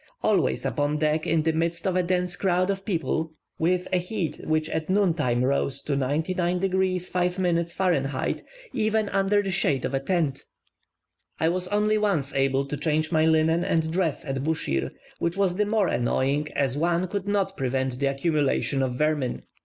Always upon deck in the midst of a dense crowd of people, with a heat which at noon time rose to 99 degrees 5' Fah., even under the shade of a tent. I was only once able to change my linen and dress at Buschir, which was the more annoying as one could not prevent the accumulation of vermin.